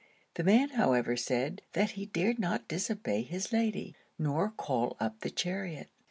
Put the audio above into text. The man however said, that he dared not disobey his Lady, nor call up the chariot.